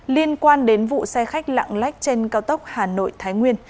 liên quan đến vụ xe khách lạng lách trên cao tốc hà nội thái nguyên